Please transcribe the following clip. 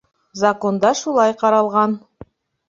Законда шулай ҡаралған.